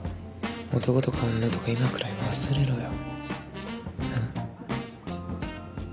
男とか女とか今くらい忘れろよなっ？